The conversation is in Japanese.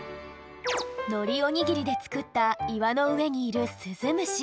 のりおにぎりでつくったいわのうえにいるスズムシ。